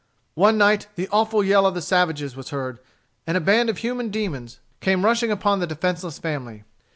One night, the awful yell of the savage was heard, and a band of human demons came rushing upon the defenceless family.